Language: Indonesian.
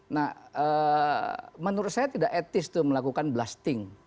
nah menurut saya tidak etis tuh melakukan blasting